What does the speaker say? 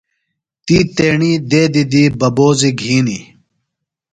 تی تیݨی دیدی دی ببوزیۡ گِھنی۔